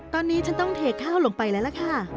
ตอนนี้ฉันต้องเทข้าวลงไปแล้วล่ะค่ะ